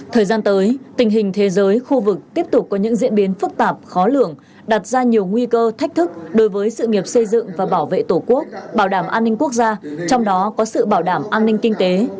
thời gian tới tình hình thế giới khu vực tiếp tục có những diễn biến phức tạp khó lường đặt ra nhiều nguy cơ thách thức đối với sự nghiệp xây dựng và bảo vệ tổ quốc bảo đảm an ninh quốc gia trong đó có sự bảo đảm an ninh kinh tế